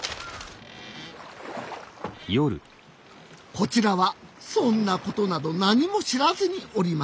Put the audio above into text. こちらはそんなことなど何も知らずにおります